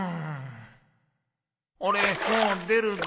俺もう出るぞ。